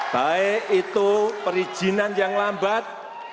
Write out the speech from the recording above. baik itu perizinan yang lambat